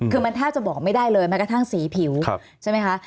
คือมันแทบจะบอกไม่ได้เลยแม้กระทั่งสีผิวใช่ไหมคะ